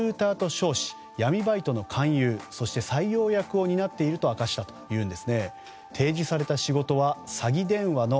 自らをリクルーターと称し闇バイトの勧誘役と称し採用役を担っていると明かしたというんです。